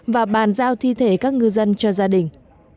và bàn giao thi thể các ngư dân cho gia đình